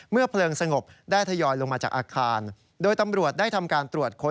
เพลิงสงบได้ทยอยลงมาจากอาคารโดยตำรวจได้ทำการตรวจค้น